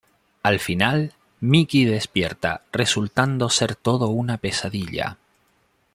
Al final, Mickey despierta, resultando ser todo una pesadilla.